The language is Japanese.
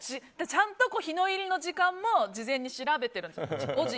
ちゃんと日の入りの時間も事前に調べてるんですよ。